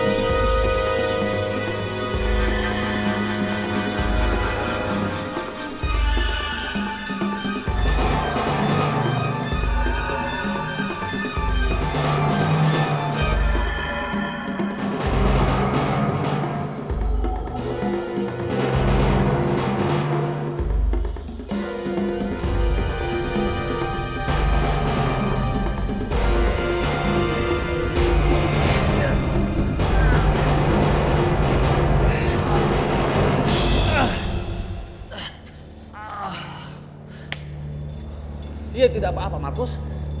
dia dia tidak apa apa markus